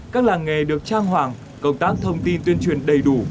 các làng nghề được trang hoàng công tác thông tin tuyên truyền đầy đủ